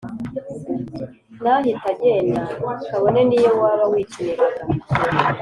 nahite agenda, kabone n’iyo waba wikiniraga,